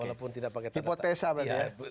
oke hipotesa berarti ya